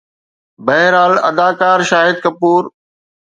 بهرحال، اداڪار شاهد ڪپور